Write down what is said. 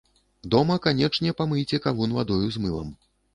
Дома канечне памыйце кавун вадою з мылам.